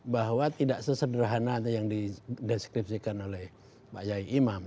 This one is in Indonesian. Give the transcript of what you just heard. bahwa tidak sesederhana yang dideskripsikan oleh pak yai imam